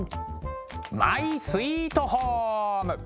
マイスイートホーム！